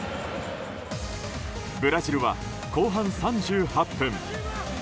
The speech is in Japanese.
ブラジルは後半３８分。